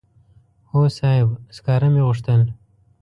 هو صاحب سکاره مې غوښتل.